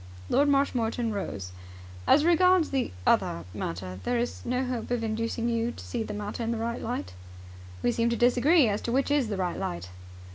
Lord Marshmoreton rose. "As regards the other matter, there is no hope of inducing you to see the matter in the right light?" "We seem to disagree as to which is the right light."